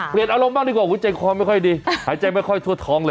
เปลี่ยนอารมณ์บ้างดีกว่ากูใจความไม่ค่อยดีหายใจไม่ค่อยทั่วท้องเลย